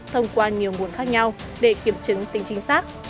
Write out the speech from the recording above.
thông qua nhiều nguồn khác nhau để kiểm chứng tính chính xác